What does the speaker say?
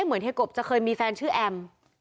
เฮียกบจะเคยมีแฟนชื่อแอม